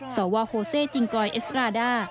สวโฮเซจิงกอยเอสราด้า